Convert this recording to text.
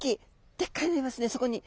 でっかいのいますねそこに。